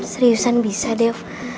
seriusan bisa dew